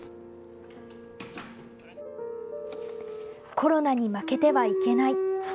コロナに負けてはいけない。